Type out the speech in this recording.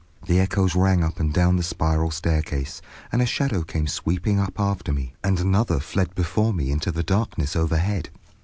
The echoes rang up and down the spiral staircase, and a shadow came sweeping up after me, and another fled before me into the darkness overhead.